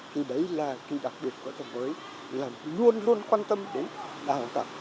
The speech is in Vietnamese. thì đấy là cái đặc biệt của thép mới là luôn luôn quan tâm đến đào tạo